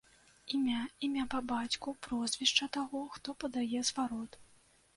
Імя, імя па бацьку, прозвішча таго, хто падае зварот.